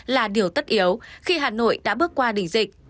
là điều tất yếu khi hà nội đã bước qua đỉnh dịch